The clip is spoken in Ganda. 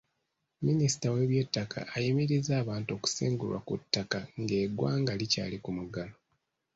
Minisita w'ebyettaka ayimirizza abantu okusengulwa ku ttaka ng'eggwanga likyali ku muggalo.